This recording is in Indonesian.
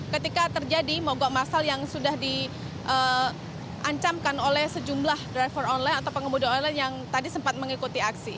ketika terjadi mogok masal yang sudah diancamkan oleh sejumlah driver online atau pengemudi online yang tadi sempat mengikuti aksi